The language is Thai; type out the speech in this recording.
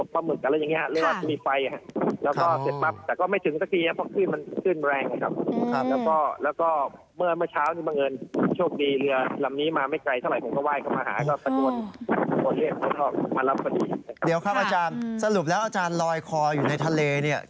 ขึ้นเขาเรียกว่าขึ้นบางเรือพูดอย่างนั้นแล้วกัน